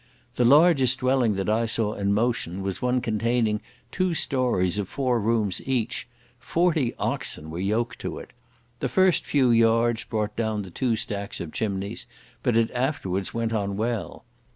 The largest dwelling that I saw in motion was one containing two stories of four rooms each; forty oxen were yoked to it. The first few yards brought down the two stacks of chimneys, but it afterwards went on well.